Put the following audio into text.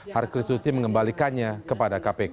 harkristuti mengembalikannya kepada kpk